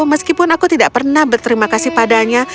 meskipun aku tidak pernah berterima kasih padanya